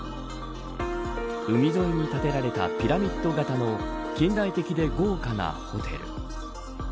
海沿いに建てられたピラミッド型の近代的で豪華なホテル。